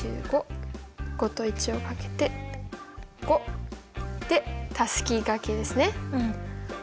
５と１を掛けて５。でたすきがけですね。